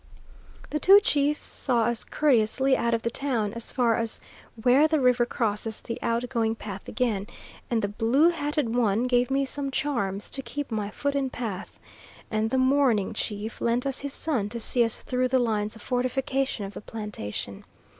The two chiefs saw us courteously out of the town as far as where the river crosses the out going path again, and the blue hatted one gave me some charms "to keep my foot in path," and the mourning chief lent us his son to see us through the lines of fortification of the plantation.